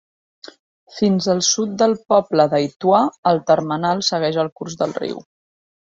Fins al sud del poble d'Aituà, el termenal segueix el curs del riu.